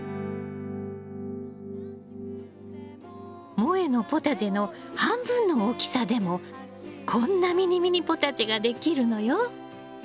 もえのポタジェの半分の大きさでもこんなミニミニポタジェができるのよ。